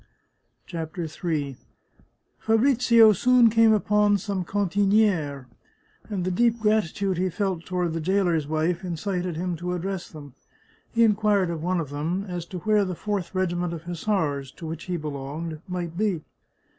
CHAPTER III Fabrizio soon came upon some cantinihes, and the deep gratitude he felt toward the jailer's wife incited him to address them. He inquired of one of them as to where the Fourth Regiment of Hussars, to which he belonged, might be.